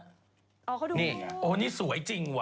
เขาดูนี่โอ้นี่สวยจริงว่